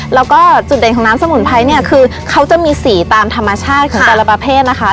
แล้วก็จุดเด่นของน้ำสมุนไพรเนี่ยคือเขาจะมีสีตามธรรมชาติของแต่ละประเภทนะคะ